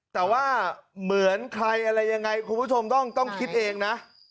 แต่ว่าเหมือนใครอะไรยังไงคุณผู้ชมต้องคิดเองนะ